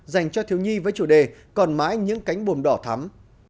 dành cho thiếu nhi với chủ đề còn mãi những cánh bùm đỏ thắm